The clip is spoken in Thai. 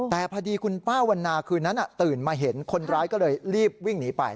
แต่พอดีคุณป้าวันนาคืนนั้นตื่นมาเห็นคนร้ายก็เลยรีบวิ่งหนีไป